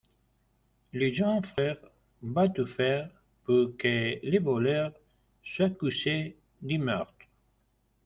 Le jeune frère va tout faire pour que le voleur soit accusé du meurtre.